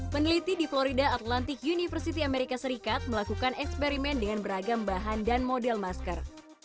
peneliti di florida atlantic university amerika serikat melakukan eksperimen dengan beragam bahan dan model masker